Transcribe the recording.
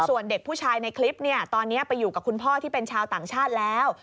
ส่วนเด็กผู้ชายในคลิปเนี่ยตอนนี้ไปอยู่กับคุณพ่อที่เป็นชาวต่างชาติแล้ว